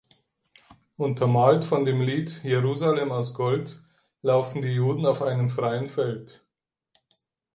Untermalt von dem Lied "Jerusalem aus Gold" laufen die Juden auf einem freien Feld.